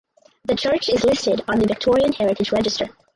The church is listed on the Victorian Heritage Register.